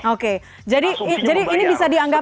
oke jadi ini bisa dianggap